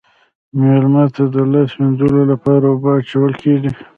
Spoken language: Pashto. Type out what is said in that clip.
میلمه ته د لاس مینځلو لپاره اوبه اچول کیږي.